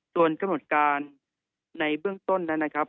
ส่วนกำหนดการในเบื้องต้นนั้นนะครับ